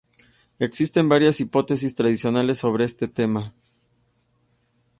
Existen varias hipótesis tradicionales sobre este tema.